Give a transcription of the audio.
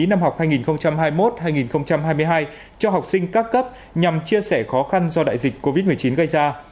năm học hai nghìn hai mươi một hai nghìn hai mươi hai cho học sinh các cấp nhằm chia sẻ khó khăn do đại dịch covid một mươi chín gây ra